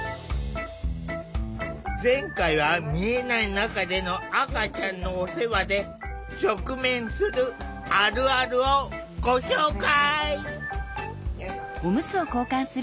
前回は見えない中での赤ちゃんのお世話で直面するあるあるをご紹介。